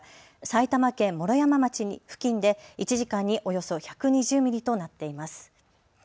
埼玉県毛呂山町付近で１時間におよそ１２０ミリとなっています。